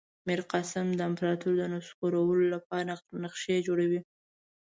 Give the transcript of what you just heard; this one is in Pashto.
میرقاسم د امپراطور د نسکورولو لپاره نقشې جوړوي.